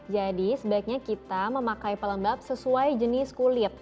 jadi sebaiknya kita memakai pelembab sesuai jenis kulit